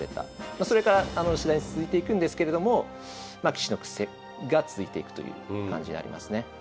それから続いていくんですけれども棋士の苦戦が続いていくという感じになりますね。